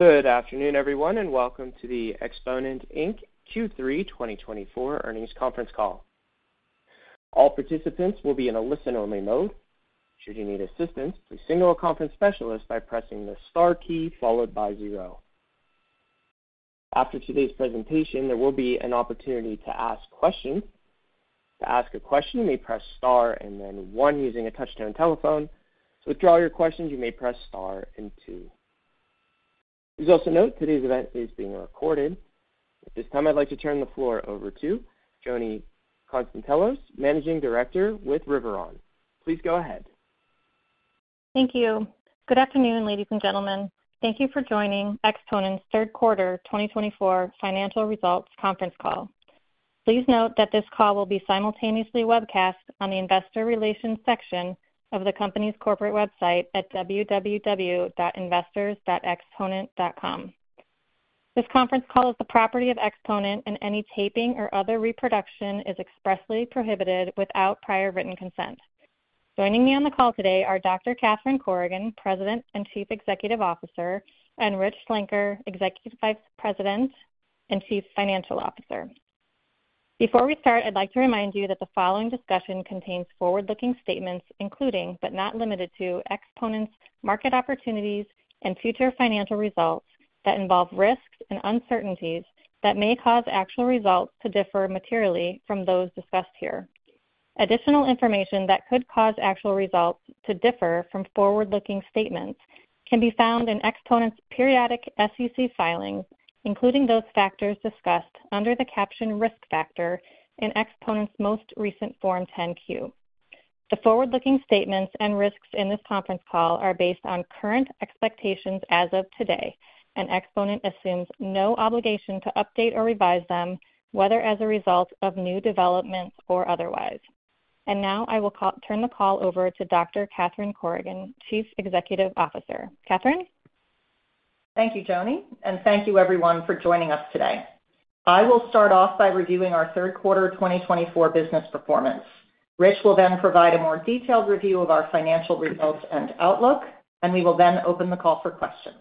Good afternoon, everyone, and welcome to the Exponent, Inc. Q3 2024 earnings conference call. All participants will be in a listen-only mode. Should you need assistance, please signal a conference specialist by pressing the star key followed by zero. After today's presentation, there will be an opportunity to ask questions. To ask a question, you may press Star and then One using a touch-tone telephone. To withdraw your questions, you may press Star and Two. Please also note today's event is being recorded. At this time, I'd like to turn the floor over to Joni Constantino, Managing Director with Riveron. Please go ahead. Thank you. Good afternoon, ladies and gentlemen. Thank you for joining Exponent's third quarter twenty twenty-four financial results conference call. Please note that this call will be simultaneously webcast on the investor relations section of the company's corporate website at www.investors.exponent.com. This conference call is the property of Exponent, and any taping or other reproduction is expressly prohibited without prior written consent. Joining me on the call today are Dr. Catherine Corrigan, President and Chief Executive Officer, and Rich Schlenker, Executive Vice President and Chief Financial Officer. Before we start, I'd like to remind you that the following discussion contains forward-looking statements, including, but not limited to, Exponent's market opportunities and future financial results, that involve risks and uncertainties that may cause actual results to differ materially from those discussed here. Additional information that could cause actual results to differ from forward-looking statements can be found in Exponent's periodic SEC filings, including those factors discussed under the caption Risk Factor in Exponent's most recent Form 10-Q. The forward-looking statements and risks in this conference call are based on current expectations as of today, and Exponent assumes no obligation to update or revise them, whether as a result of new developments or otherwise. And now, I will turn the call over to Dr. Catherine Corrigan, Chief Executive Officer. Catherine? Thank you, Joni, and thank you, everyone, for joining us today. I will start off by reviewing our third quarter twenty twenty-four business performance. Rich will then provide a more detailed review of our financial results and outlook, and we will then open the call for questions.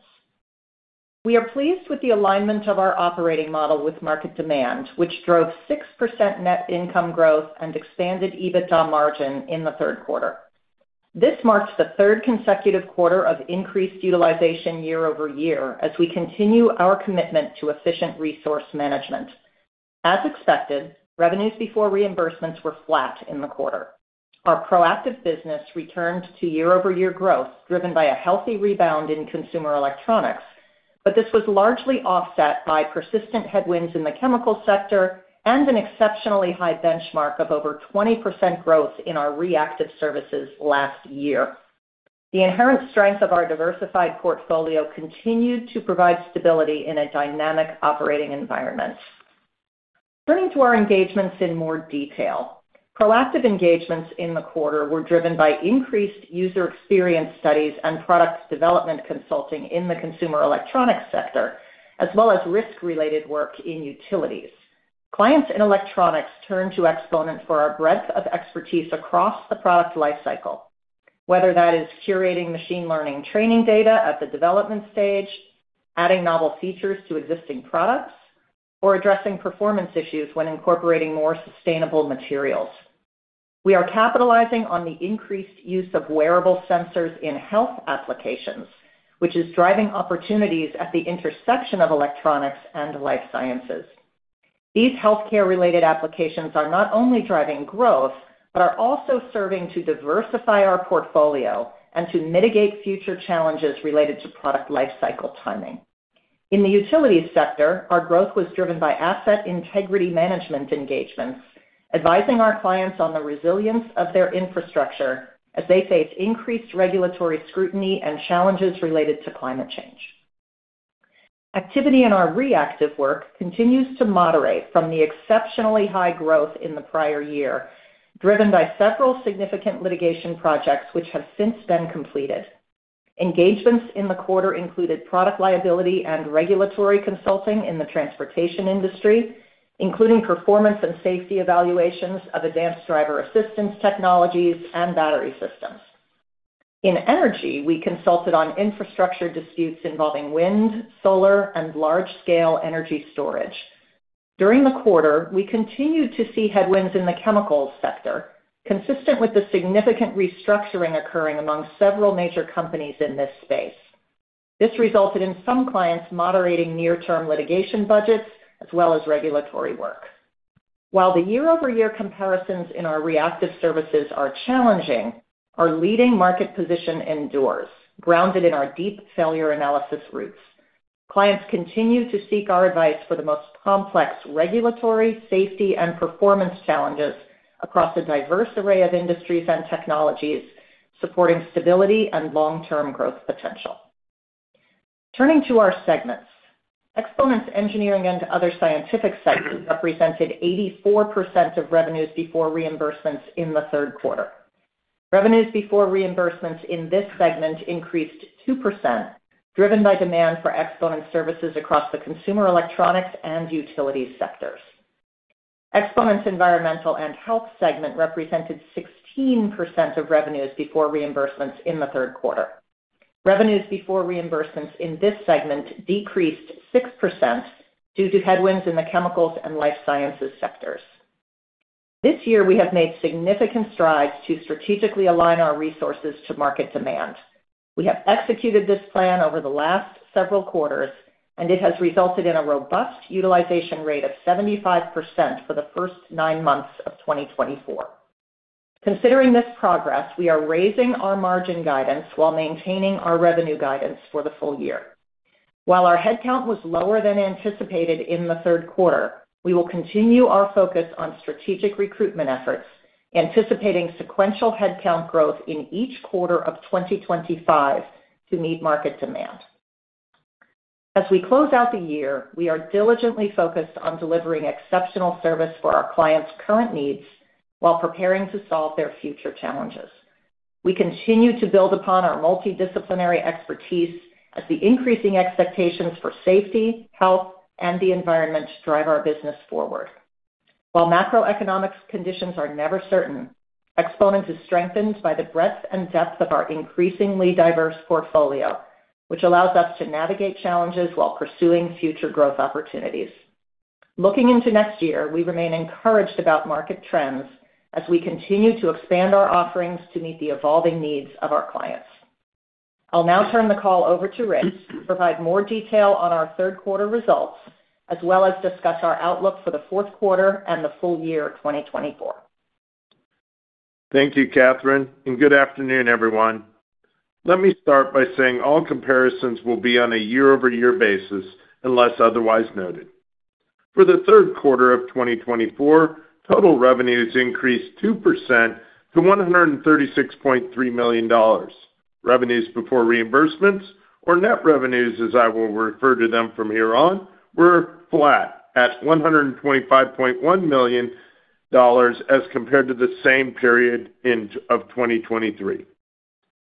We are pleased with the alignment of our operating model with market demand, which drove 6% net income growth and expanded EBITDA margin in the third quarter. This marks the third consecutive quarter of increased utilization year over year as we continue our commitment to efficient resource management. As expected, revenues before reimbursements were flat in the quarter. Our proactive business returned to year-over-year growth, driven by a healthy rebound in consumer electronics, but this was largely offset by persistent headwinds in the chemical sector and an exceptionally high benchmark of over 20% growth in our reactive services last year. The inherent strength of our diversified portfolio continued to provide stability in a dynamic operating environment. Turning to our engagements in more detail. Proactive engagements in the quarter were driven by increased user experience studies and product development consulting in the consumer electronics sector, as well as risk-related work in utilities. Clients in electronics turn to Exponent for our breadth of expertise across the product lifecycle, whether that is curating machine learning training data at the development stage, adding novel features to existing products, or addressing performance issues when incorporating more sustainable materials. We are capitalizing on the increased use of wearable sensors in health applications, which is driving opportunities at the intersection of electronics and life sciences. These healthcare-related applications are not only driving growth, but are also serving to diversify our portfolio and to mitigate future challenges related to product lifecycle timing. In the utilities sector, our growth was driven by asset integrity management engagements, advising our clients on the resilience of their infrastructure as they face increased regulatory scrutiny and challenges related to climate change. Activity in our reactive work continues to moderate from the exceptionally high growth in the prior year, driven by several significant litigation projects, which have since been completed. Engagements in the quarter included product liability and regulatory consulting in the transportation industry, including performance and safety evaluations of advanced driver assistance technologies and battery systems. In energy, we consulted on infrastructure disputes involving wind, solar, and large-scale energy storage. During the quarter, we continued to see headwinds in the chemicals sector, consistent with the significant restructuring occurring among several major companies in this space. This resulted in some clients moderating near-term litigation budgets as well as regulatory work. While the year-over-year comparisons in our reactive services are challenging, our leading market position endures, grounded in our deep failure analysis roots. Clients continue to seek our advice for the most complex regulatory, safety, and performance challenges across a diverse array of industries and technologies, supporting stability and long-term growth potential. Turning to our segments. Exponent's engineering and other scientific sectors represented 84% of revenues before reimbursements in the third quarter. Revenues before reimbursements in this segment increased 2%, driven by demand for Exponent services across the consumer, electronics, and utilities sectors.... Exponent's Environmental and Health segment represented 16% of revenues before reimbursements in the third quarter. Revenues before reimbursements in this segment decreased 6% due to headwinds in the chemicals and life sciences sectors. This year, we have made significant strides to strategically align our resources to market demand. We have executed this plan over the last several quarters, and it has resulted in a robust utilization rate of 75% for the first nine months of 2024. Considering this progress, we are raising our margin guidance while maintaining our revenue guidance for the full year. While our headcount was lower than anticipated in the third quarter, we will continue our focus on strategic recruitment efforts, anticipating sequential headcount growth in each quarter of 2025 to meet market demand. As we close out the year, we are diligently focused on delivering exceptional service for our clients' current needs while preparing to solve their future challenges. We continue to build upon our multidisciplinary expertise as the increasing expectations for safety, health, and the environment drive our business forward. While macroeconomic conditions are never certain, Exponent is strengthened by the breadth and depth of our increasingly diverse portfolio, which allows us to navigate challenges while pursuing future growth opportunities. Looking into next year, we remain encouraged about market trends as we continue to expand our offerings to meet the evolving needs of our clients. I'll now turn the call over to Rich to provide more detail on our third quarter results, as well as discuss our outlook for the fourth quarter and the full year of twenty twenty-four. Thank you, Catherine, and good afternoon, everyone. Let me start by saying all comparisons will be on a year-over-year basis, unless otherwise noted. For the third quarter of 2024, total revenues increased 2% to $136.3 million. Revenues before reimbursements or net revenues, as I will refer to them from here on, were flat at $125.1 million as compared to the same period in 2023.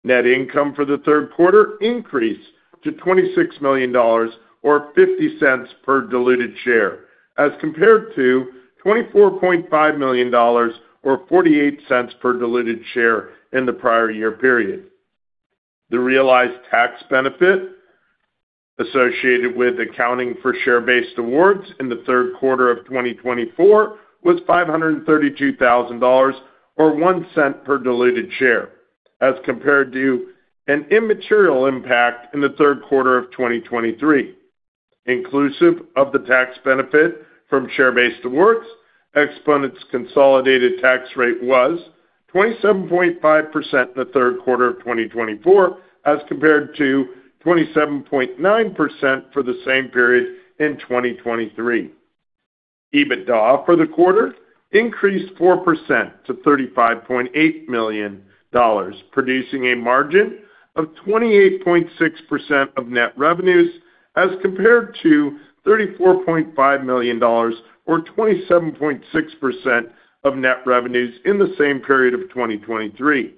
Net income for the third quarter increased to $26 million or $0.50 per diluted share, as compared to $24.5 million or $0.48 per diluted share in the prior year period. The realized tax benefit associated with accounting for share-based awards in the third quarter of twenty twenty-four was $532,000, or $0.01 per diluted share, as compared to an immaterial impact in the third quarter of twenty twenty-three. Inclusive of the tax benefit from share-based awards, Exponent's consolidated tax rate was 27.5% in the third quarter of twenty twenty-four, as compared to 27.9% for the same period in twenty twenty-three. EBITDA for the quarter increased 4% to $35.8 million, producing a margin of 28.6% of net revenues, as compared to $34.5 million or 27.6% of net revenues in the same period of twenty twenty-three.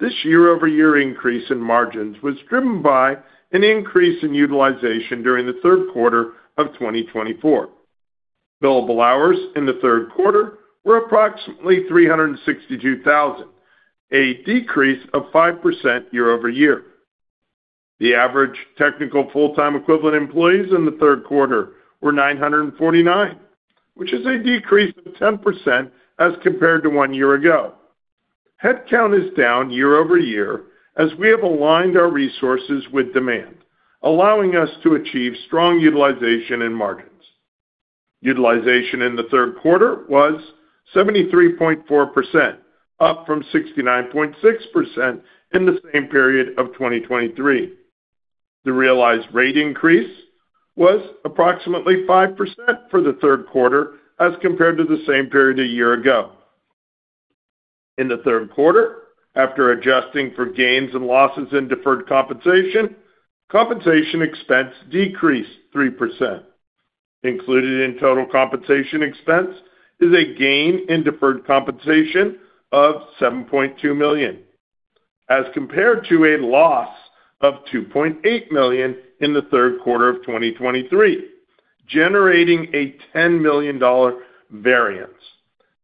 This year-over-year increase in margins was driven by an increase in utilization during the third quarter of twenty twenty-four. Billable hours in the third quarter were approximately 362,000, a decrease of 5% year over year. The average technical full-time equivalent employees in the third quarter were 949, which is a decrease of 10% as compared to one year ago. Headcount is down year over year, as we have aligned our resources with demand, allowing us to achieve strong utilization and margins. Utilization in the third quarter was 73.4%, up from 69.6% in the same period of 2023. The realized rate increase was approximately 5% for the third quarter as compared to the same period a year ago. In the third quarter, after adjusting for gains and losses in deferred compensation, compensation expense decreased 3%. Included in total compensation expense is a gain in deferred compensation of $7.2 million, as compared to a loss of $2.8 million in the third quarter of 2023, generating a $10 million variance.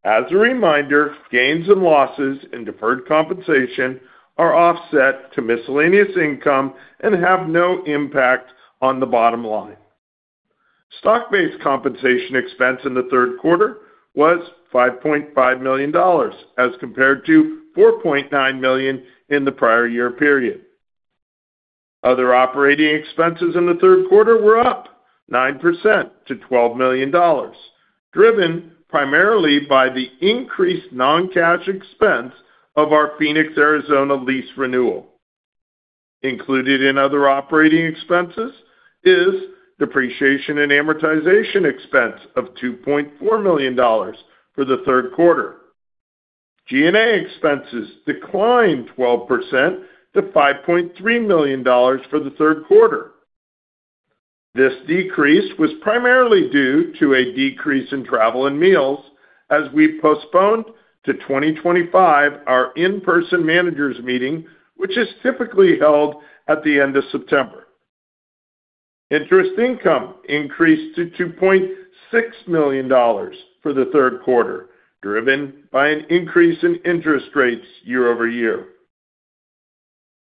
As a reminder, gains and losses in deferred compensation are offset to miscellaneous income and have no impact on the bottom line. Stock-based compensation expense in the third quarter was $5.5 million, as compared to $4.9 million in the prior year period. Other operating expenses in the third quarter were up 9% to $12 million, driven primarily by the increased non-cash expense of our Phoenix, Arizona, lease renewal. Included in other operating expenses is depreciation and amortization expense of $2.4 million for the third quarter. G&A expenses declined 12% to $5.3 million for the third quarter. This decrease was primarily due to a decrease in travel and meals as we postponed to 2025 our in-person managers meeting, which is typically held at the end of September. Interest income increased to $2.6 million for the third quarter, driven by an increase in interest rates year over year.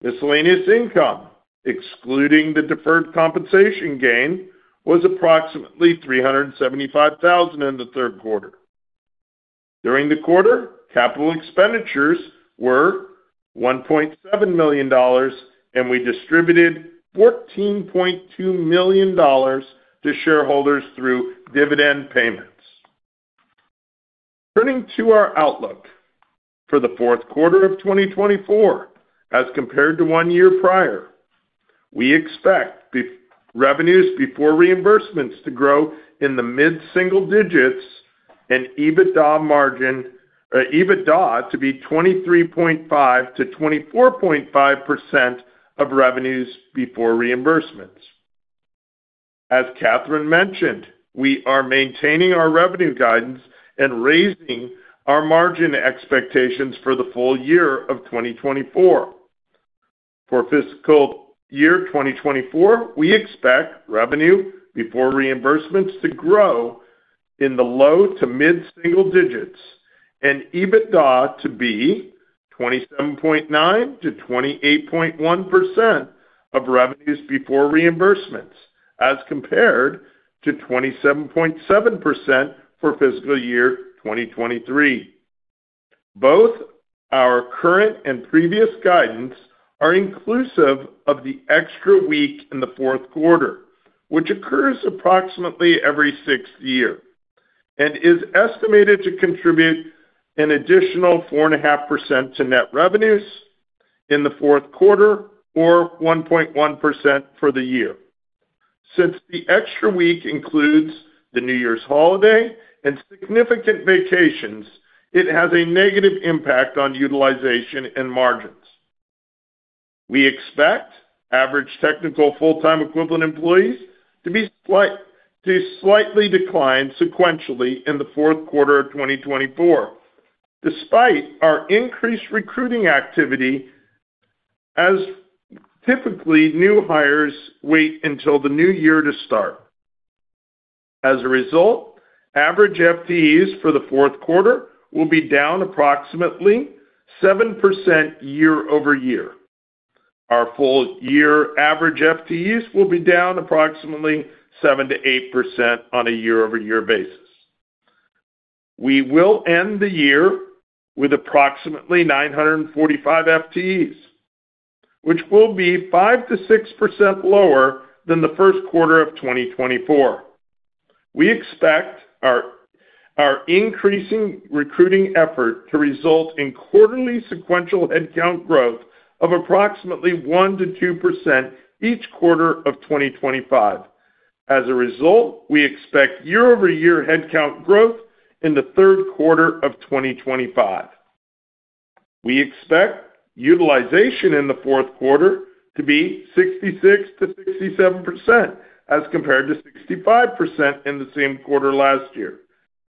Miscellaneous income, excluding the deferred compensation gain, was approximately $375,000 in the third quarter. During the quarter, capital expenditures were $1.7 million, and we distributed $14.2 million to shareholders through dividend payments. Turning to our outlook. For the fourth quarter of 2024, as compared to one year prior, we expect revenues before reimbursements to grow in the mid-single digits and EBITDA margin, EBITDA to be 23.5%-24.5% of revenues before reimbursements. As Catherine mentioned, we are maintaining our revenue guidance and raising our margin expectations for the full year of 2024. For fiscal year 2024, we expect revenue before reimbursements to grow in the low to mid-single digits and EBITDA to be 27.9%-28.1% of revenues before reimbursements, as compared to 27.7% for fiscal year 2023. Both our current and previous guidance are inclusive of the extra week in the fourth quarter, which occurs approximately every sixth year and is estimated to contribute an additional 4.5% to net revenues in the fourth quarter or 1.1% for the year. Since the extra week includes the New Year's holiday and significant vacations, it has a negative impact on utilization and margins. We expect average technical full-time equivalent employees to slightly decline sequentially in the fourth quarter of twenty twenty-four, despite our increased recruiting activity, as typically, new hires wait until the new year to start. As a result, average FTEs for the fourth quarter will be down approximately 7% year over year. Our full year average FTEs will be down approximately 7%-8% on a year-over-year basis. We will end the year with approximately 945 FTEs, which will be 5%-6% lower than the first quarter of twenty twenty-four. We expect our increasing recruiting effort to result in quarterly sequential headcount growth of approximately 1%-2% each quarter of twenty twenty-five. As a result, we expect year-over-year headcount growth in the third quarter of twenty twenty-five. We expect utilization in the fourth quarter to be 66-67%, as compared to 65% in the same quarter last year.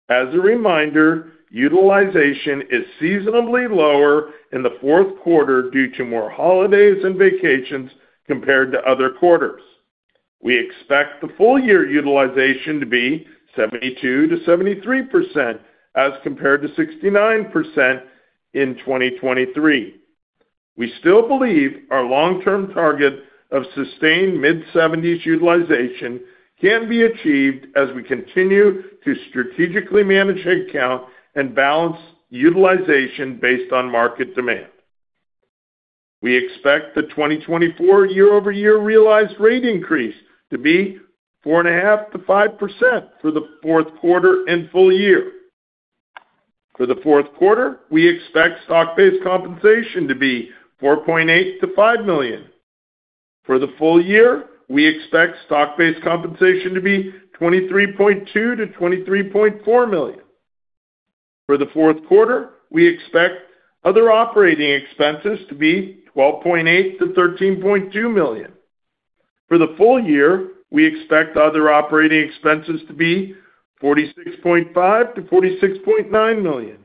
As a reminder, utilization is seasonably lower in the fourth quarter due to more holidays and vacations compared to other quarters. We expect the full year utilization to be 72-73%, as compared to 69% in 2023. We still believe our long-term target of sustained mid-seventies utilization can be achieved as we continue to strategically manage headcount and balance utilization based on market demand. We expect the 2024 year-over-year realized rate increase to be 4.5-5% for the fourth quarter and full year. For the fourth quarter, we expect stock-based compensation to be $4.8-$5 million. For the full year, we expect stock-based compensation to be $23.2 million-$23.4 million. For the fourth quarter, we expect other operating expenses to be $12.8 million-$13.2 million. For the full year, we expect other operating expenses to be $46.5 million-$46.9 million.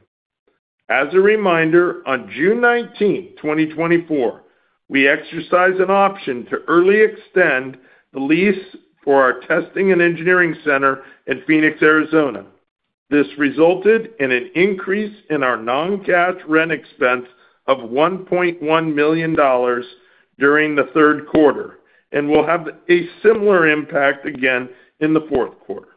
As a reminder, on June nineteenth, 2024, we exercised an option to early extend the lease for our testing and engineering center in Phoenix, Arizona. This resulted in an increase in our non-cash rent expense of $1.1 million during the third quarter and will have a similar impact again in the fourth quarter.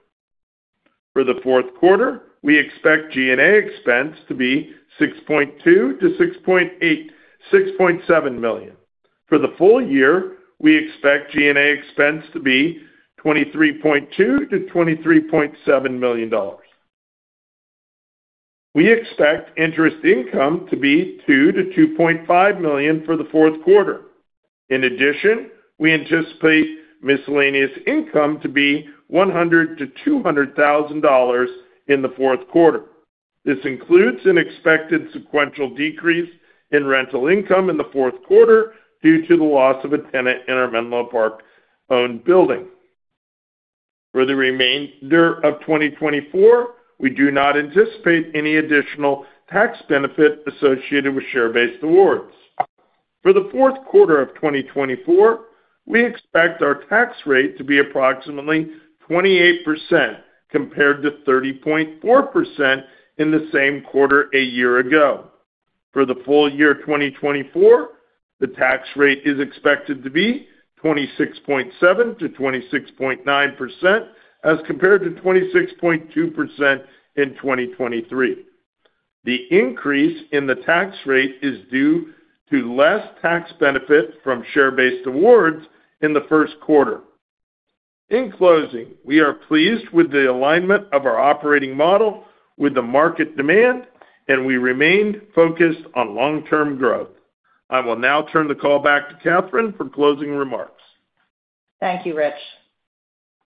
For the fourth quarter, we expect G&A expense to be $6.2 million-$6.7 million. For the full year, we expect G&A expense to be $23.2 million-$23.7 million. We expect interest income to be $2 million-$2.5 million for the fourth quarter. In addition, we anticipate miscellaneous income to be $100,000-$200,000 in the fourth quarter. This includes an expected sequential decrease in rental income in the fourth quarter due to the loss of a tenant in our Menlo Park-owned building. For the remainder of 2024, we do not anticipate any additional tax benefit associated with share-based awards. For the fourth quarter of 2024, we expect our tax rate to be approximately 28%, compared to 30.4% in the same quarter a year ago. For the full year twenty twenty-four, the tax rate is expected to be 26.7%-26.9%, as compared to 26.2% in twenty twenty-three. The increase in the tax rate is due to less tax benefit from share-based awards in the first quarter. In closing, we are pleased with the alignment of our operating model with the market demand, and we remained focused on long-term growth. I will now turn the call back to Catherine for closing remarks. Thank you, Rich.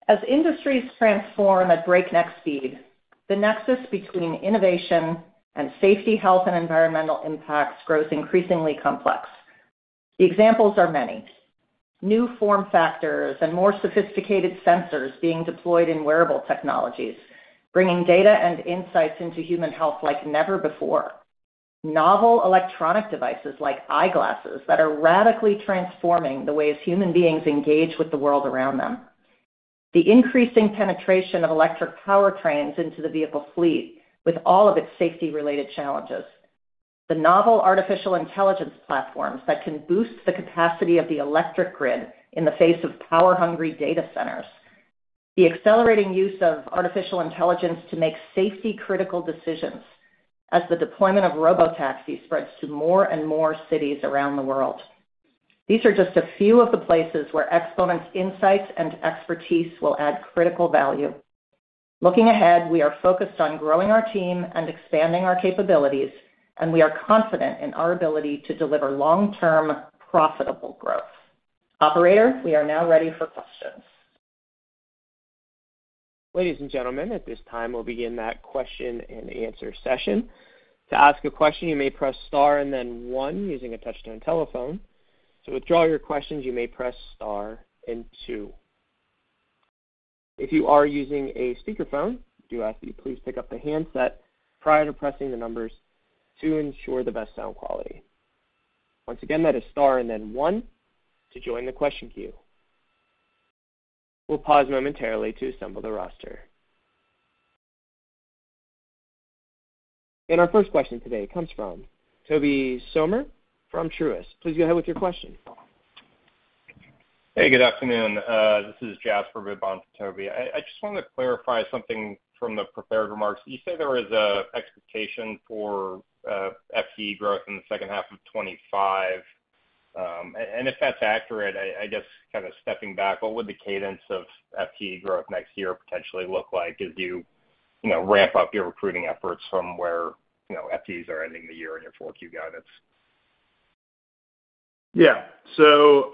As industries transform at breakneck speed, the nexus between innovation and safety, health, and environmental impacts grows increasingly complex. The examples are many. New form factors and more sophisticated sensors being deployed in wearable technologies, bringing data and insights into human health like never before. Novel electronic devices like eyeglasses that are radically transforming the ways human beings engage with the world around them. The increasing penetration of electric powertrains into the vehicle fleet, with all of its safety-related challenges. The novel artificial intelligence platforms that can boost the capacity of the electric grid in the face of power-hungry data centers. The accelerating use of artificial intelligence to make safety-critical decisions as the deployment of robotaxis spreads to more and more cities around the world. These are just a few of the places where Exponent's insights and expertise will add critical value. Looking ahead, we are focused on growing our team and expanding our capabilities, and we are confident in our ability to deliver long-term, profitable growth. Operator, we are now ready for questions. Ladies and gentlemen, at this time, we'll begin that question-and-answer session. To ask a question, you may press Star and then One using a touch-tone telephone. To withdraw your questions, you may press Star and Two. If you are using a speakerphone, we do ask that you please pick up the handset prior to pressing the numbers to ensure the best sound quality. Once again, that is Star and then One to join the question queue. We'll pause momentarily to assemble the roster. And our first question today comes from Toby Sommer from Truist. Please go ahead with your question. Hey, good afternoon. This is Jasper, handing it to Toby. I just wanted to clarify something from the prepared remarks. You said there was a expectation for FTE growth in the second half of twenty-five. And if that's accurate, I guess, kind of stepping back, what would the cadence of FTE growth next year potentially look like as you, you know, ramp up your recruiting efforts from where, you know, FTEs are ending the year in your four Q guidance? Yeah. So,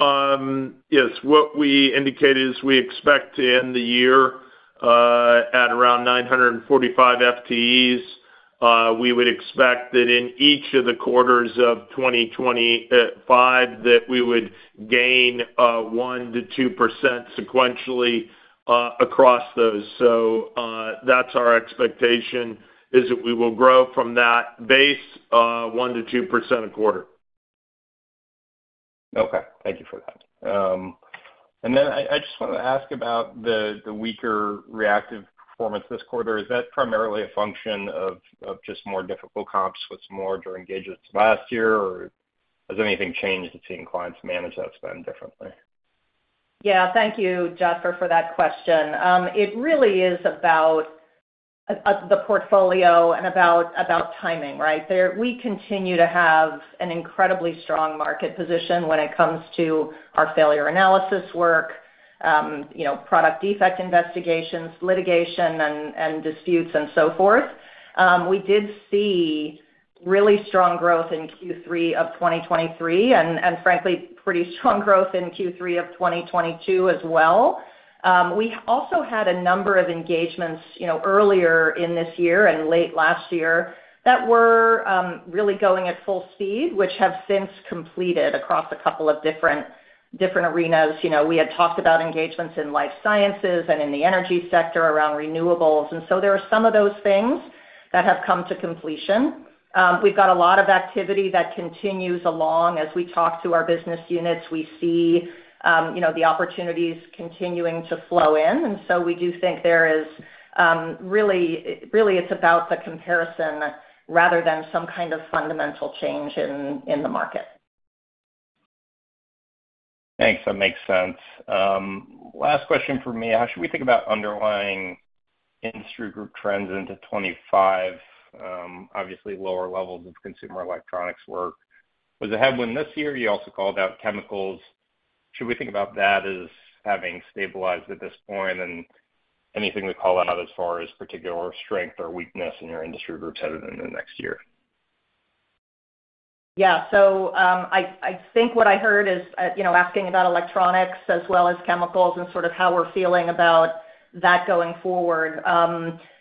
yes, what we indicated is we expect to end the year at around 945 FTEs. We would expect that in each of the quarters of 2025, that we would gain 1%-2% sequentially across those. So, that's our expectation, is that we will grow from that base 1%-2% a quarter. Okay, thank you for that. And then I just wanna ask about the weaker reactive performance this quarter. Is that primarily a function of just more difficult comps with more enduring engagements last year, or has anything changed in seeing clients manage that spend differently? Yeah, thank you, Jasper, for that question. It really is about the portfolio and about timing, right? We continue to have an incredibly strong market position when it comes to our failure analysis work, you know, product defect investigations, litigation and disputes, and so forth. We did see really strong growth in Q3 of 2023, and frankly, pretty strong growth in Q3 of 2022 as well. We also had a number of engagements, you know, earlier in this year and late last year that were really going at full speed, which have since completed across a couple of different arenas. You know, we had talked about engagements in life sciences and in the energy sector around renewables, and so there are some of those things that have come to completion. We've got a lot of activity that continues along. As we talk to our business units, we see, you know, the opportunities continuing to flow in. And so we do think there is really, it's about the comparison rather than some kind of fundamental change in the market. Thanks. That makes sense. Last question for me. How should we think about underlying industry group trends into 2025? Obviously, lower levels of consumer electronics work. Was it headwind this year? You also called out chemicals. Should we think about that as having stabilized at this point, and anything we call out as far as particular strength or weakness in your industry groups headed in the next year? Yeah. So, I think what I heard is, you know, asking about electronics as well as chemicals and sort of how we're feeling about that going forward.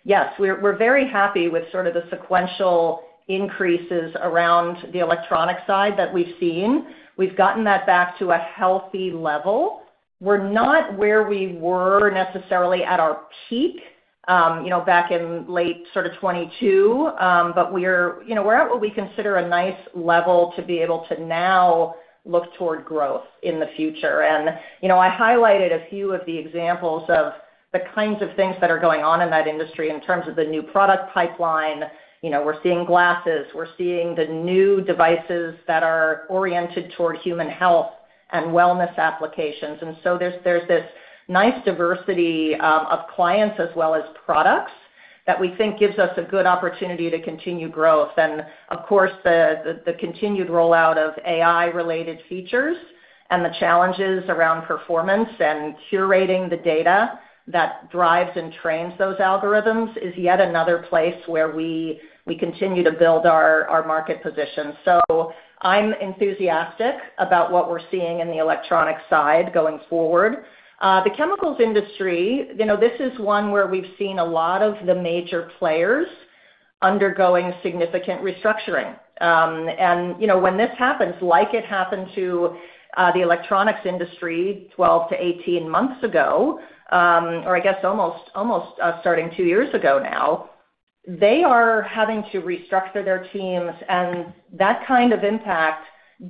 Yes, we're very happy with sort of the sequential increases around the electronic side that we've seen. We've gotten that back to a healthy level. We're not where we were necessarily at our peak, you know, back in late sort of 2022, but we're, you know, we're at what we consider a nice level to be able to now look toward growth in the future. And, you know, I highlighted a few of the examples of the kinds of things that are going on in that industry in terms of the new product pipeline. You know, we're seeing glasses, we're seeing the new devices that are oriented toward human health and wellness applications. And so there's this nice diversity of clients as well as products that we think gives us a good opportunity to continue growth. And of course, the continued rollout of AI-related features and the challenges around performance and curating the data that drives and trains those algorithms is yet another place where we continue to build our market position. So I'm enthusiastic about what we're seeing in the electronic side going forward. The chemicals industry, you know, this is one where we've seen a lot of the major players undergoing significant restructuring. And, you know, when this happens, like it happened to the electronics industry 12-18 months ago, or I guess almost starting 2 years ago now, they are having to restructure their teams, and that kind of impact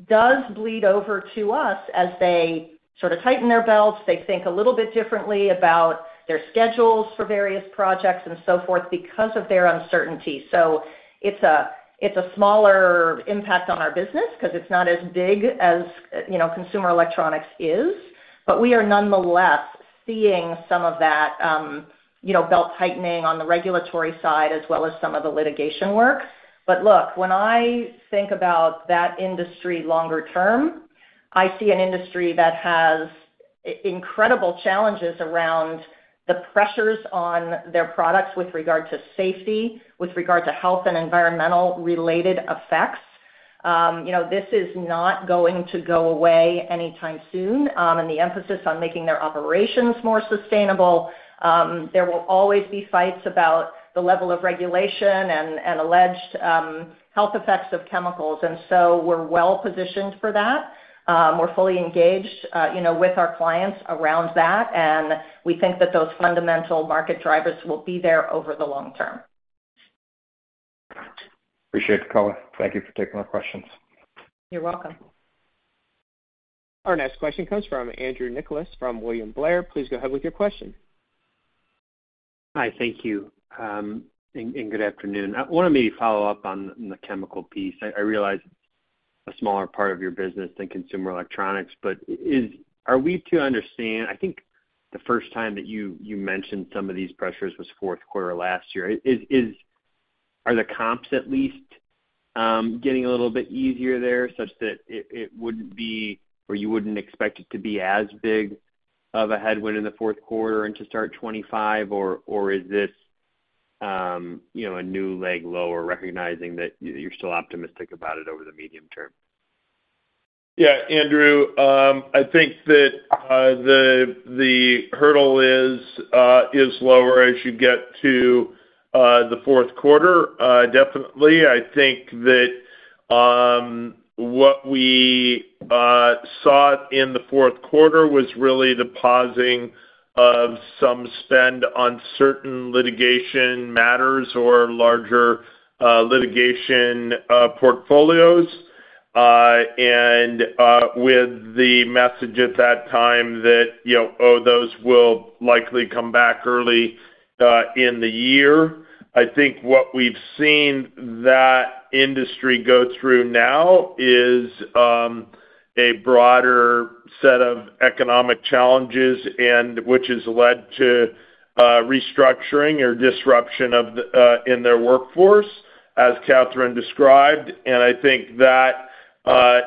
does bleed over to us as they sort of tighten their belts. They think a little bit differently about their schedules for various projects and so forth, because of their uncertainty. So it's a smaller impact on our business because it's not as big as, you know, consumer electronics is, but we are nonetheless seeing some of that, you know, belt-tightening on the regulatory side as well as some of the litigation work. But look, when I think about that industry longer term, I see an industry that has incredible challenges around the pressures on their products with regard to safety, with regard to health and environmental-related effects. You know, this is not going to go away anytime soon, and the emphasis on making their operations more sustainable, there will always be fights about the level of regulation and alleged health effects of chemicals, and so we're well positioned for that. We're fully engaged, you know, with our clients around that, and we think that those fundamental market drivers will be there over the long term. Appreciate the color. Thank you for taking our questions. You're welcome. Our next question comes from Andrew Nicholas, from William Blair. Please go ahead with your question. Hi, thank you, and good afternoon. I want to maybe follow up on the chemical piece. I realize a smaller part of your business than consumer electronics, but are we to understand? I think the first time that you mentioned some of these pressures was fourth quarter last year. Are the comps at least getting a little bit easier there, such that it wouldn't be, or you wouldn't expect it to be as big of a headwind in the fourth quarter and to start '25? Or is this, you know, a new leg lower, recognizing that you're still optimistic about it over the medium term? Yeah, Andrew, I think that the hurdle is lower as you get to the fourth quarter, definitely. I think that what we saw in the fourth quarter was really the pausing of some spend on certain litigation matters or larger litigation portfolios. And with the message at that time that, you know, oh, those will likely come back early in the year. I think what we've seen that industry go through now is a broader set of economic challenges, and which has led to restructuring or disruption of their workforce, as Catherine described, and I think that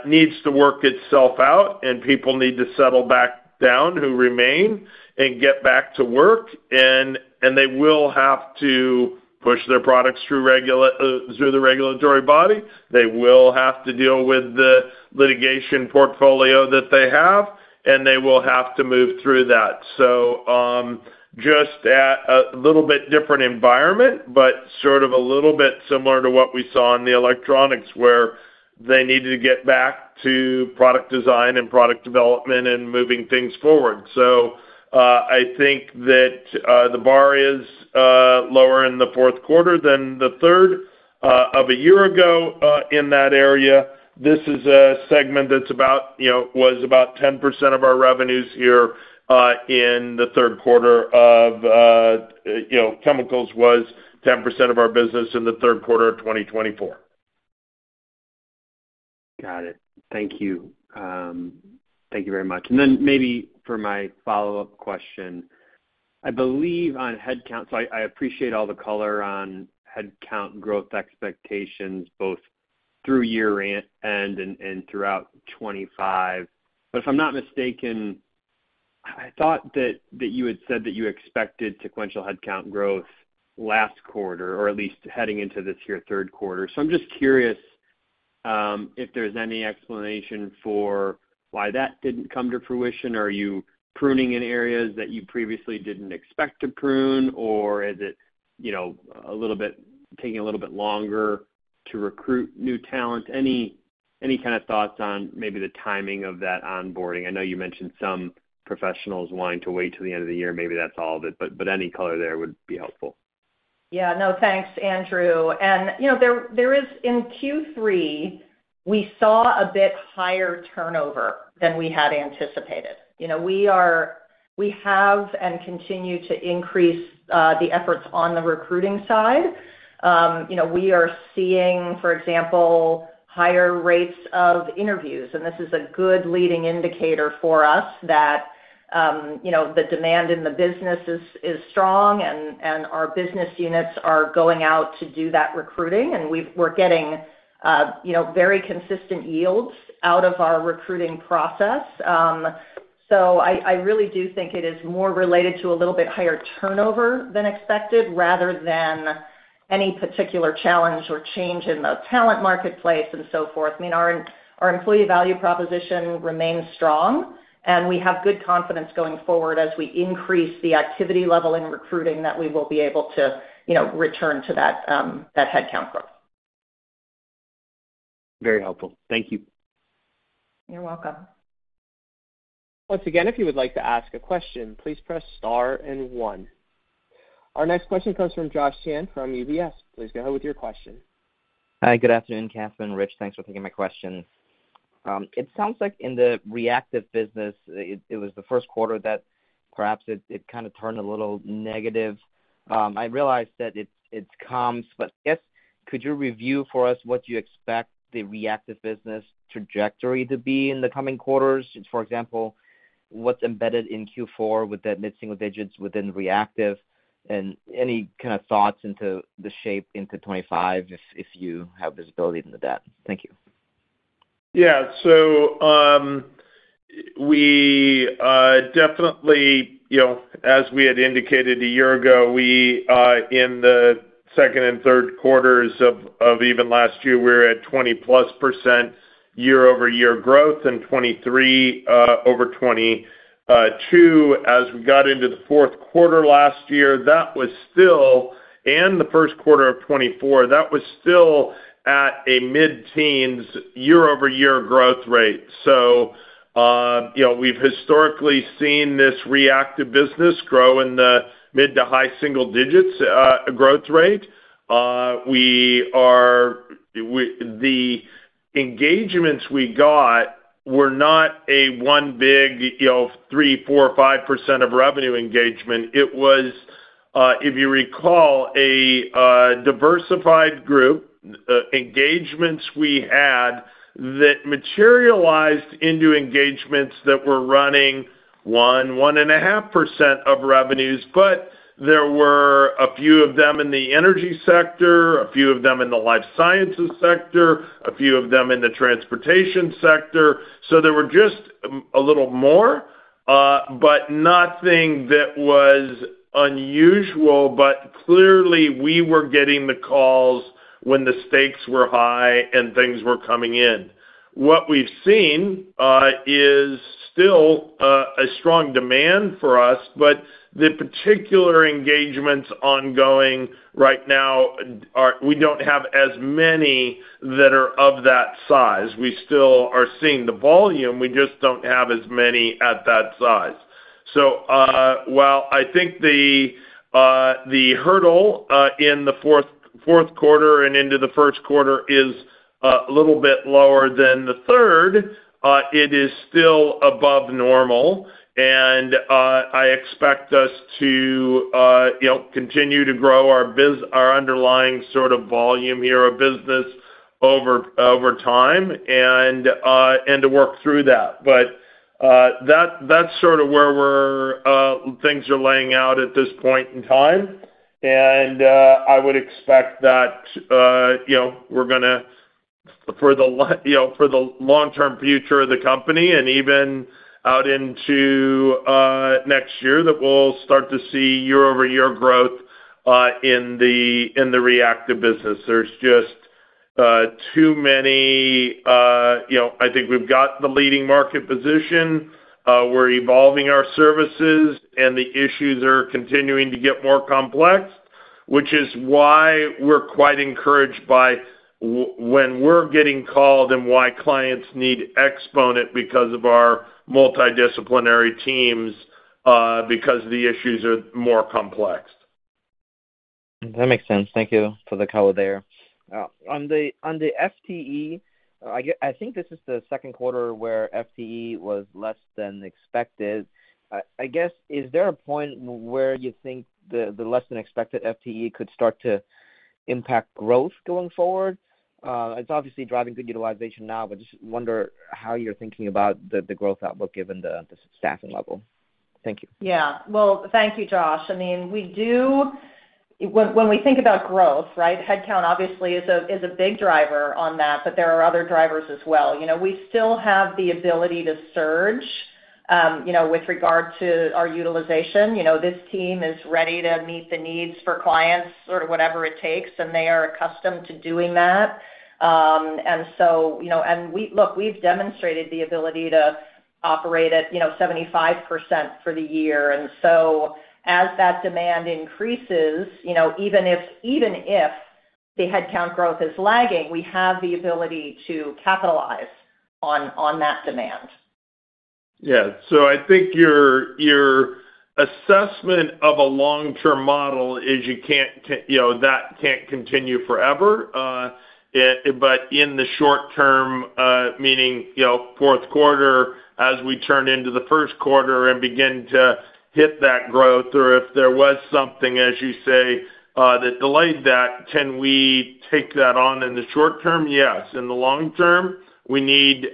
needs to work itself out, and people need to settle back down who remain and get back to work, and they will have to push their products through the regulatory body. They will have to deal with the litigation portfolio that they have, and they will have to move through that. So, just at a little bit different environment, but sort of a little bit similar to what we saw in the electronics, where they needed to get back to product design and product development and moving things forward. I think that the bar is lower in the fourth quarter than the third of a year ago in that area. This is a segment that's about, you know, was about 10% of our revenues here in the third quarter of, you know, chemicals was 10% of our business in the third quarter of 2024. Got it. Thank you. Thank you very much. And then maybe for my follow-up question, I believe on headcount, so I appreciate all the color on headcount growth expectations, both through year end and throughout 2025. But if I'm not mistaken, I thought that you had said that you expected sequential headcount growth last quarter, or at least heading into this year, third quarter. So I'm just curious, if there's any explanation for why that didn't come to fruition? Are you pruning in areas that you previously didn't expect to prune, or is it, you know, a little bit taking a little bit longer to recruit new talent? Any kind of thoughts on maybe the timing of that onboarding? I know you mentioned some professionals wanting to wait till the end of the year. Maybe that's all of it, but any color there would be helpful. Yeah. No, thanks, Andrew. And, you know, there is, in Q3, we saw a bit higher turnover than we had anticipated. You know, we have and continue to increase the efforts on the recruiting side. You know, we are seeing, for example, higher rates of interviews, and this is a good leading indicator for us that, you know, the demand in the business is strong, and our business units are going out to do that recruiting, and we're getting, you know, very consistent yields out of our recruiting process. So I really do think it is more related to a little bit higher turnover than expected, rather than any particular challenge or change in the talent marketplace and so forth. I mean, our employee value proposition remains strong, and we have good confidence going forward as we increase the activity level in recruiting, that we will be able to, you know, return to that headcount growth. Very helpful. Thank you. You're welcome. Once again, if you would like to ask a question, please press Star and One. Our next question comes from Josh Chan from UBS. Please go ahead with your question. Hi, good afternoon, Catherine, Rich. Thanks for taking my questions. It sounds like in the reactive business, it was the first quarter that perhaps it kind of turned a little negative. I realize that it comes, but I guess, could you review for us what you expect the reactive business trajectory to be in the coming quarters? For example, what's embedded in Q4 with that mid-single digits within reactive, and any kind of thoughts into the shape into 2025, if you have visibility into that? Thank you. Yeah. So, we definitely, you know, as we had indicated a year ago, we in the second and third quarters of even last year, we were at 20-plus% year-over-year growth and 2023 over 2022. As we got into the fourth quarter last year, that was still, and the first quarter of 2024, that was still at a mid-teens year-over-year growth rate. So, you know, we've historically seen this reactive business grow in the mid- to high-single digits growth rate. The engagements we got were not a one big, you know, 3, 4, 5% of revenue engagement. It was, if you recall, a diversified group, engagements we had that materialized into engagements that were running 1, 1.5% of revenues. But there were a few of them in the energy sector, a few of them in the life sciences sector, a few of them in the transportation sector. So there were just a little more, but nothing that was unusual. But clearly, we were getting the calls when the stakes were high and things were coming in. What we've seen is still a strong demand for us, but the particular engagements ongoing right now are, we don't have as many that are of that size. We still are seeing the volume, we just don't have as many at that size. So, while I think the hurdle in the fourth quarter and into the first quarter is a little bit lower than the third, it is still above normal, and I expect us to you know, continue to grow our underlying sort of volume here of business over time, and to work through that. But that, that's sort of where we're things are laying out at this point in time. And I would expect that you know, we're gonna for the you know, for the long-term future of the company and even out into next year, that we'll start to see year-over-year growth in the reactive business. There's just too many... You know, I think we've got the leading market position, we're evolving our services, and the issues are continuing to get more complex, which is why we're quite encouraged by when we're getting called and why clients need Exponent because of our multidisciplinary teams, because the issues are more complex. That makes sense. Thank you for the color there. On the FTE, I think this is the second quarter where FTE was less than expected. I guess, is there a point where you think the less than expected FTE could start to impact growth going forward? It's obviously driving good utilization now, but just wonder how you're thinking about the growth outlook given the staffing level. Thank you. Yeah. Well, thank you, Josh. I mean, we do. When we think about growth, right? Headcount obviously is a big driver on that, but there are other drivers as well. You know, we still have the ability to surge, you know, with regard to our utilization. You know, this team is ready to meet the needs for clients, sort of whatever it takes, and they are accustomed to doing that. And so, you know, and we. Look, we've demonstrated the ability to operate at, you know, 75% for the year, and so as that demand increases, you know, even if the headcount growth is lagging, we have the ability to capitalize on that demand. Yeah. So I think your assessment of a long-term model is you can't, you know, that can't continue forever. But in the short term, meaning, you know, fourth quarter, as we turn into the first quarter and begin to hit that growth, or if there was something, as you say, that delayed that, can we take that on in the short term? Yes. In the long term, we need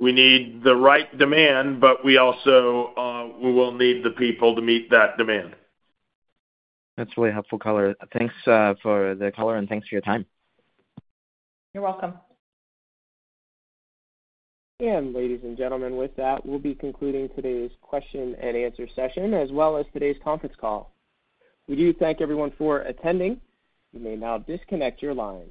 the right demand, but we also, we will need the people to meet that demand. That's really helpful color. Thanks, for the color, and thanks for your time. You're welcome. And ladies and gentlemen, with that, we'll be concluding today's question and answer session, as well as today's conference call. We do thank everyone for attending. You may now disconnect your lines.